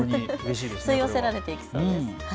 吸い寄せられていきそうです。